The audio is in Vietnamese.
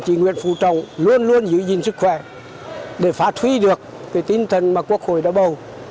chị nguyễn phú trọng luôn luôn giữ gìn sức khỏe để phát huy được cái tinh thần mà quốc hội đã bầu